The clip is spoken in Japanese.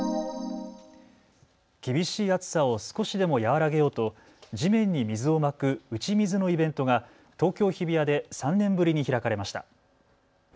厳しい暑さを少しでも和らげようと地面に水をまく打ち水のイベントが東京日比谷で３年ぶりに開かれました。